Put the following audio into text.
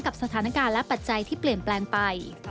กับสถานการณ์และปัจจัยที่เปลี่ยนแปลงไป